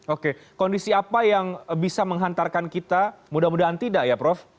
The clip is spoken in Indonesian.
oke kondisi apa yang bisa menghantarkan kita mudah mudahan tidak ya prof